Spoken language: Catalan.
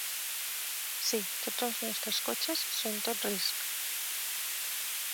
Sí, tots els nostres cotxes són tot risc.